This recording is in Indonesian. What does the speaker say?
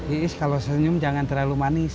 iis kalau senyum jangan terlalu manis